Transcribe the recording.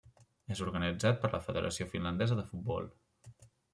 És organitzat per la Federació Finlandesa de Futbol.